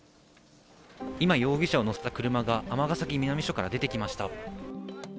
今、容疑者を乗せた車が尼崎南署から出てきました。